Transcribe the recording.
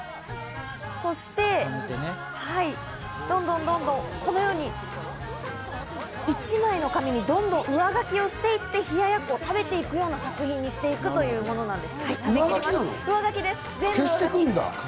そして、どんどんとこのように１枚の紙にどんどん上書きをしていって、冷ややっこを食べていくような作品にしていくというものなんです。